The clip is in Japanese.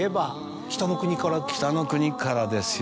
『北の国から』ですよ